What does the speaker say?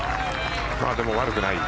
でも悪くない。